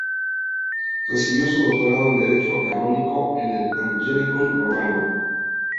Recibió su doctorado en Derecho canónico en el Angelicum romano.